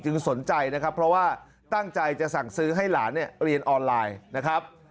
สนใจนะครับเพราะว่าตั้งใจจะสั่งซื้อให้หลานเนี่ยเรียนออนไลน์นะครับ